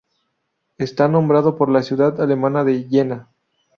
Está nombrado por la ciudad alemana de Jena.